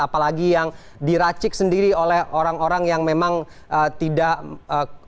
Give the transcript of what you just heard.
apalagi yang diracik sendiri oleh orang orang yang memang tidak memiliki